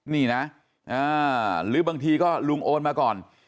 นี่นะหรือบางทีก็ลุงโอนมาก่อน